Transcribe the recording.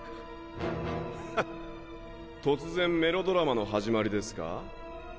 突然メロドラマの始まりですか。